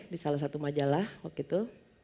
di salah satu majalah waktu itu